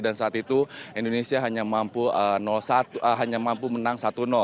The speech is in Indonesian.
dan saat itu indonesia hanya mampu menang satu